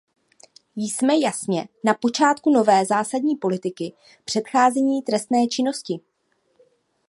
Jsme jasně na začátku nové zásadní politiky předcházení trestné činnosti.